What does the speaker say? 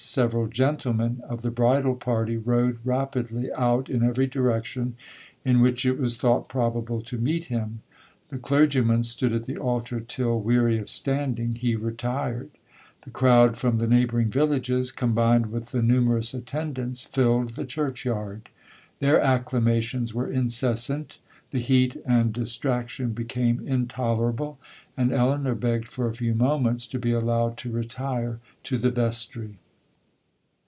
Several gentlemen of the bridal party rode rapidly out in every direction in which it was thought probable to meet him,—the clergyman stood at the altar, till, weary of standing, he retired. The crowd from the neighbouring villages, combined with the numerous attendants, filled the church yard. Their acclamations were incessant,—the heat and distraction became intolerable, and Elinor begged for a few moments to be allowed to retire to the vestry.